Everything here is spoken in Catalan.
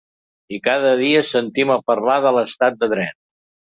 I cada dia sentim a parlar de l’estat de dret.